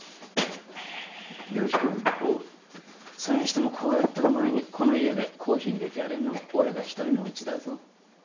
それにしてもこうやってお前にこの家でコーヒーいれてやれるのも俺が一人のうちだぞ。